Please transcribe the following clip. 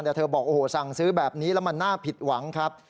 แต่เธอบอกโอ้โหสั่งซื้อแบบนี้แล้วมันน่าผิดหวังครับ